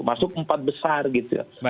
masuk empat besar gitu